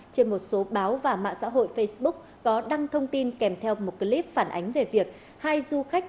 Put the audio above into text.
trên một số báo và mạng xã hội facebook có đăng thông tin kèm theo một clip phản ánh về việc hai du khách